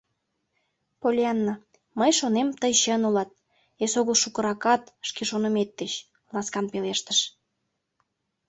— Поллианна, мый шонем, тый чын улат... эсогыл шукыракат, шке шонымет деч, — ласкан пелештыш!.